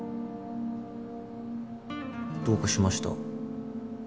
どうかしました？